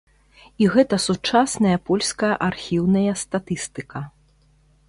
І гэта сучасная польская архіўная статыстыка.